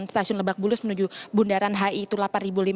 stasiun lebak bulus menuju bundaran hi itu rp delapan lima ratus